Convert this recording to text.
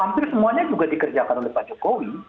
hampir semuanya juga dikerjakan oleh pak jokowi